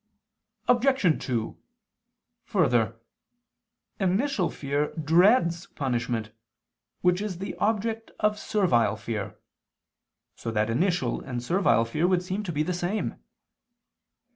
Obj. 2: Further, initial fear dreads punishment, which is the object of servile fear, so that initial and servile fear would seem to be the same.